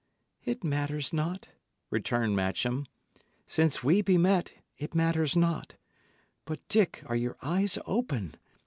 "It matters not," returned Matcham. "Since we be met, it matters not. But, Dick, are your eyes open?